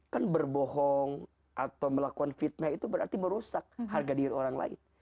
kan berbohong atau melakukan fitnah itu berarti merusak harga diri orang lain